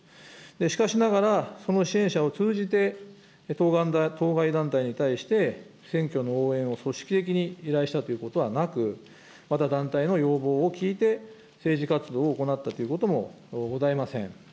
しかしながら、その支援者を通じて、当該団体に対して、選挙の応援を組織的に依頼したということはなく、また団体の要望を聞いて、政治活動を行ったということもございません。